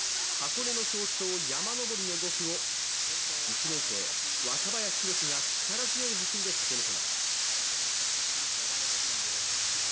箱根の象徴、山登りの５区を１年生、若林宏樹が力強い走りで駆け抜けます。